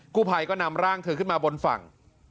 ผู้ภัยก็นำร่างเธอขึ้นมาบนฝั่ง